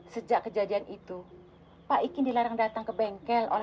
sejak kejadian itu pak ikin dilarang datang ke bengkel oleh pak mandor